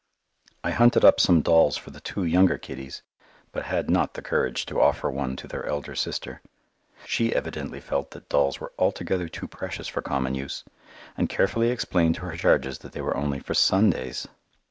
I hunted up some dolls for the two younger kiddies, but had not the courage to offer one to their elder sister. She evidently felt that dolls were altogether too precious for common use, and carefully explained to her charges that they were only for Sundays!